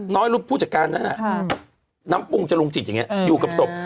น้อยรุธผู้จัดการน่ะน่ะน้ำปุ้งจรุงจิตอย่างเงี้ยอยู่กับศพ